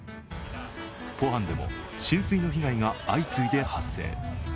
ポハンでも浸水の被害が相次いで発生。